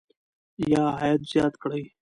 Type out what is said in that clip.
یا عاید زیات کړئ.